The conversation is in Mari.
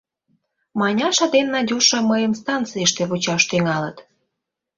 — Маняша ден Надюша мыйым станцийыште вучаш тӱҥалыт.